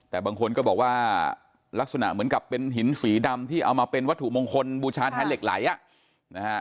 แต่บางคนก็บอกว่าลักษณะเหมือนกับเป็นหินสีดำที่เอามาเป็นวัตถุมงคลบูชาแทนเหล็กไหลอ่ะนะฮะ